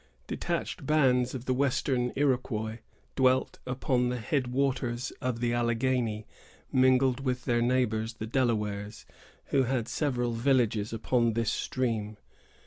Detached bands of the western Iroquois dwelt upon the head waters of the Alleghany, mingled with their neighbors, the Delawares, who had several villages upon this stream.